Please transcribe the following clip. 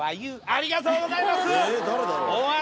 ありがとうございます。